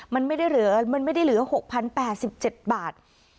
มันไม่ได้เหลือ๖๐๘๗บาท